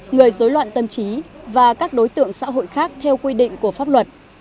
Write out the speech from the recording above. người dối loạn tâm trí và các đối tượng xã hội khác theo quy định của pháp luật